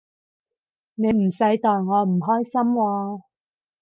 你唔使代我唔開心喎